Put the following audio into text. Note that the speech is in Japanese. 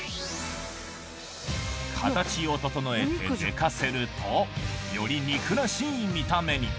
形を整えて寝かせると、より肉らしい見た目に。